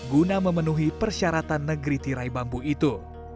guna memenuhi persyaratan negeri tirai bambu itu